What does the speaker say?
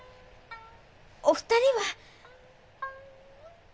お二人は。